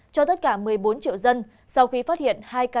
cho tất cả một mươi bốn triệu dân sau khi phát hiện hai ca